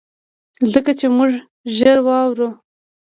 ځکه چي مونږ ږغ واورو